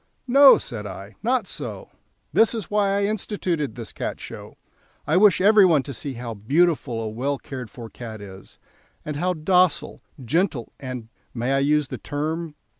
"No," said I, "not so. That is why I instituted this Cat Show; I wish every one to see how beautiful a well cared for cat is, and how docile, gentle, and may I use the term?